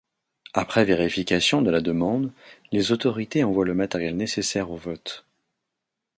Après vérification de la demande, les autorités envoient le matériel nécessaire au vote.